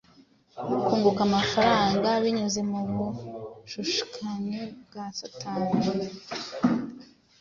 no kunguka amafaranga binyuze mu bushukanyi bwa Satani.